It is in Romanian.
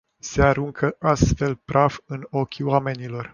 Se aruncă astfel praf în ochii oamenilor.